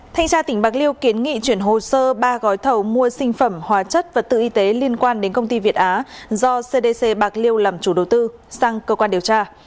thanh tra tỉnh bạc liêu kiến nghị chuyển hồ sơ ba gói thầu mua sinh phẩm hóa chất vật tư y tế liên quan đến công ty việt á do cdc bạc liêu làm chủ đầu tư sang cơ quan điều tra